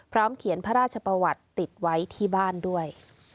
เขียนพระราชประวัติติดไว้ที่บ้านด้วย